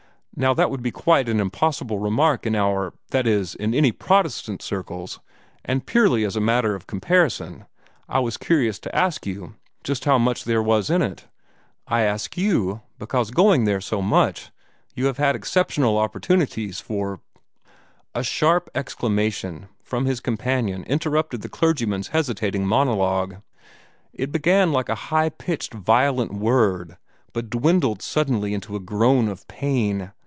Now that would be quite an impossible remark in our that is, in any Protestant circles and purely as a matter of comparison, I was curious to ask you just how much there was in it. I ask you, because going there so much you have had exceptional opportunities for " A sharp exclamation from his companion interrupted the clergyman's hesitating monologue. It began like a high pitched, violent word, but dwindled suddenly into a groan of pain.